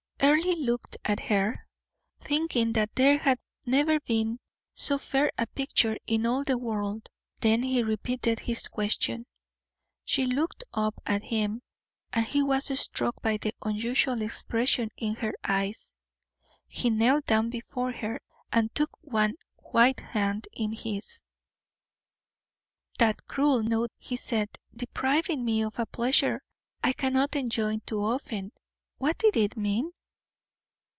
Earle looked at her, thinking that there had never been so fair a picture in all the world; then he repeated his question. She looked up at him, and he was struck by the unusual expression in her eyes; he knelt down before her, and took one white hand in his. "That cruel note," he said, "depriving me of a pleasure I cannot enjoy too often. What did it mean?"